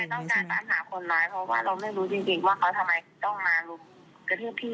เพราะว่าเราไม่รู้จริงว่าเขาทำไมต้องมากระทืบพี่แบบนี้